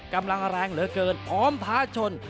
กำลังแรงเหลือเกินพร้อมท้าชน